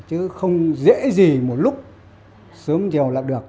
chứ không dễ gì một lúc sớm chiều là được